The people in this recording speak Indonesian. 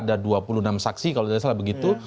ada dua puluh enam saksi kalau tidak salah begitu